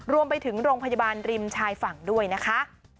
รวมไปถึงโรงพยาบาลริมชายฝั่งด้วยนะคะ